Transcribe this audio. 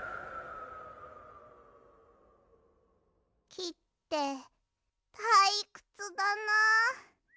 きってたいくつだなあ。